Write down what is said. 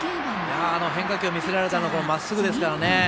変化球を見せられたあとのまっすぐですからね。